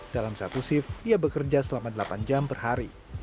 dalam satu shift ia bekerja selama delapan jam per hari